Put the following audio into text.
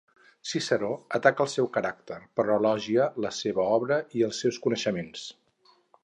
Ciceró ataca el seu caràcter però elogia la seva obra i els seus coneixements.